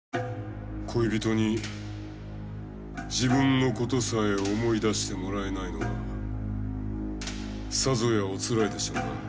恋人に自分のことさえ思い出してもらえないのはさぞやおつらいでしょうな。